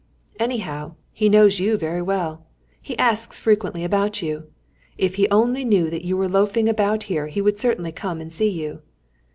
"Anyhow, he knows you very well. He asks frequently about you. If he only knew that you were loafing about here he would certainly come and see you."